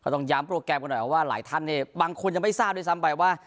ต้องย้ำโปรแกรมกันหน่อยว่าหลายท่านเนี่ยบางคนยังไม่ทราบด้วยซ้ำไปว่า